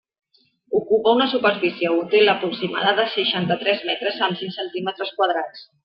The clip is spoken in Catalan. Ocupa una superfície útil aproximada de seixanta-tres metres amb cinc decímetres quadrats.